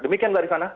demikian dari sana